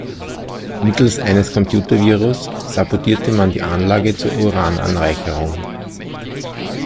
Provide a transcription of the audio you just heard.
Mittels eines Computervirus sabotierte man die Anlage zur Urananreicherung.